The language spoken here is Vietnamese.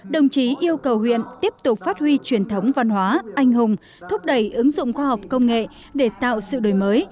đồng chí yêu cầu huyện tiếp tục phát huy truyền thống văn hóa anh hùng thúc đẩy ứng dụng khoa học công nghệ để tạo sự đổi mới